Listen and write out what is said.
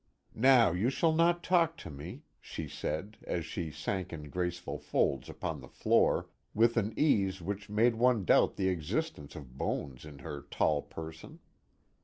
"Now you shall not talk to me," she said, as she sank in graceful folds upon the floor, with an ease which made one doubt the existence of bones in her tall person.